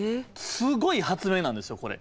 すごい発明なんですよこれ。